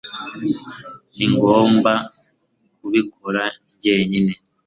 ningomba kubikora njyenyine